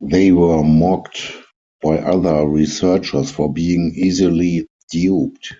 They were mocked by other researchers for being easily duped.